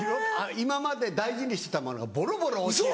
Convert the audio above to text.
今まで大事にしてたものがボロボロ落ちる。